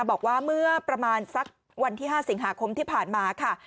บอกว่าเมื่อประมาณสักวันที่๕สิงหาคมที่ผ่านมาค่ะ